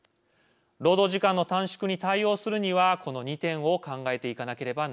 労働時間の短縮に対応するにはこの２点を考えていかなければなりません。